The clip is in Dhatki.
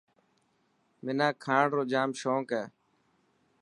منا کاڻ رو جام شونڪ هي.